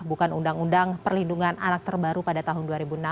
bukan undang undang perlindungan anak terbaru pada tahun dua ribu enam